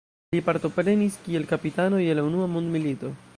Li partoprenis kiel kapitano je la unua mondmilito.